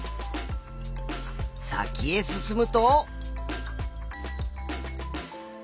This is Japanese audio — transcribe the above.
先へ進むと。